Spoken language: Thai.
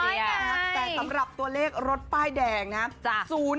แต่สำหรับตัวเลขรถป้ายแดงนะครับ